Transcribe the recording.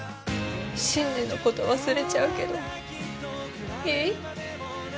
真司のこと忘れちゃうけどいい？